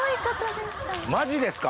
マジですか？